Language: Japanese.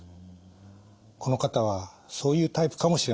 この方はそういうタイプかもしれません。